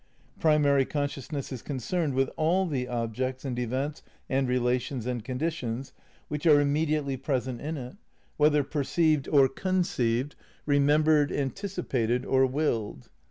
Primary con sciousness is concerned with all the objects and events and relations and conditions which are immediately 274 ' IX RECONSTRUCTION OF IDEALISM 275 present in it, whether perceived or conceived, remem bered, anticipated or willed.